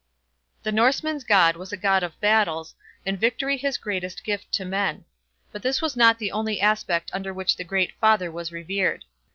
The Norseman's god was a god of battles, and victory his greatest gift to men; but this was not the only aspect under which the Great Father was revered.